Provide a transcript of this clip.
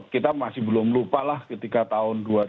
kita masih belum lupa lah ketika kita berada di negara negara